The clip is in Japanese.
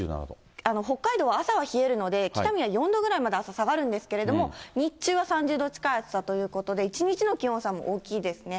北海道は朝は冷えるので、北見は４度ぐらいまで朝下がるんですけど、日中は３０度近い暑さということで、一日の気温差も大きいですね。